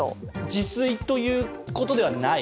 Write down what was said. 自炊ということではない？